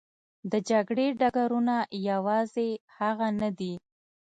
د جګړې ډګرونه یوازې هغه نه دي.